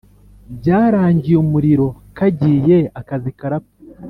byarangiye umuriro kagiye akazi karapfa